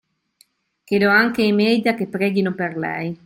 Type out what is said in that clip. Chiedo anche ai media che preghino per lei